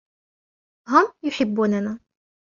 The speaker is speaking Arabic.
هم يحبوننا.